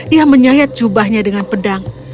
ia menyayat jubahnya dengan pedang